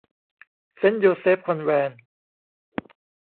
เซนต์โยเซฟคอนแวนต์